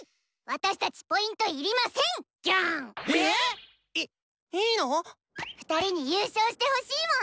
いっいいの⁉２人に優勝してほしいもん！